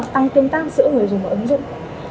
tăng tương tác giữa người dùng và ứng dụng